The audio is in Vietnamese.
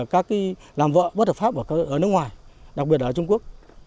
các làm vợ bất hợp pháp ở nước ngoài đặc biệt ở trung quốc